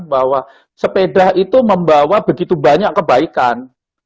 bahwa sepeda itu membawa begitu banyak kebaikan